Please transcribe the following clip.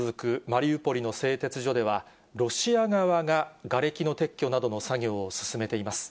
マリウポリの製鉄所では、ロシア側ががれきの撤去などの作業を進めています。